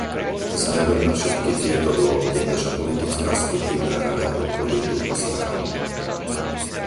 Vzhľadom na všetky tieto dôvody naša politická skupina rada podporí túto správu.